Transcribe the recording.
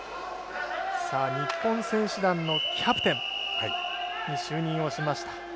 日本選手団のキャプテンに就任をしました。